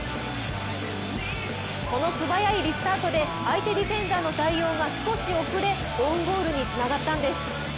この素早いリスタートで相手ディフェンダーの対応が少し遅れオウンゴールにつながったんです。